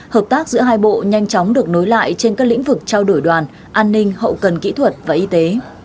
hợp tác giữa hai bộ nhanh chóng được nối lại trên các lĩnh vực trao đổi đoàn an ninh hậu cần kỹ thuật và y tế